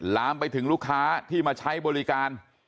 ลามไปถึงลูกค้าที่มาใช้บริการ